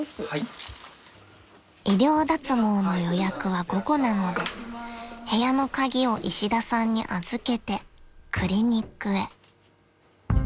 ［医療脱毛の予約は午後なので部屋の鍵を石田さんに預けてクリニックへ］